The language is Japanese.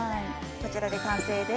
こちらで完成です。